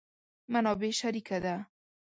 منابع شریکه ده.